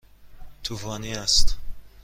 طوفانی است.